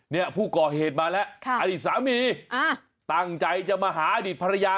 เนี่ยผู้ก่อเหตุมาแล้วอดีตสามีตั้งใจจะมาหาอดีตภรรยา